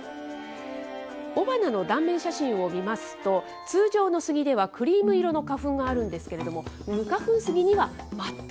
雄花の断面写真を見ますと、通常のスギではクリーム色の花粉があるんですけれども、無花粉ス